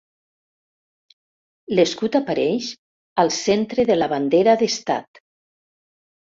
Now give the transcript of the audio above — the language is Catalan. L'escut apareix al centre de la bandera d'Estat.